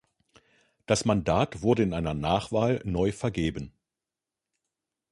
Das Mandat wurde in einer Nachwahl neu vergeben.